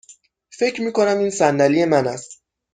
فکر می کنم این صندلی من است.